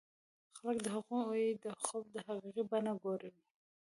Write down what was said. خلک د هغوی د خوب حقيقي بڼه ګوري.